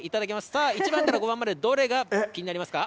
さあ１番から５番までどれが気になりますか？